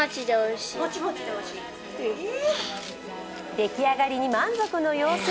出来上がりに満足の様子。